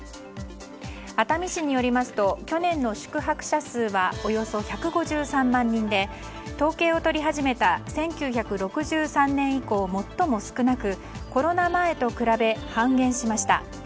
熱海市によりますと去年の宿泊者数はおよそ１５３万人で統計を取り始めた１９６３年以降最も少なくコロナ前と比べ、半減しました。